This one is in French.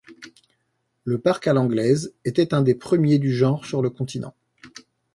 Le parc à l'anglaise était un des premiers du genre sur le continent.